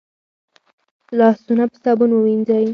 لاسونه په صابون ووينځئ